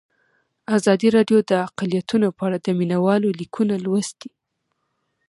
ازادي راډیو د اقلیتونه په اړه د مینه والو لیکونه لوستي.